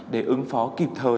để ứng phó kịp thời